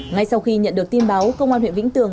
ngay sau khi nhận được tin báo công an huyện vĩnh tường